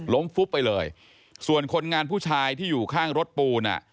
ฟุบไปเลยส่วนคนงานผู้ชายที่อยู่ข้างรถปูนอ่ะ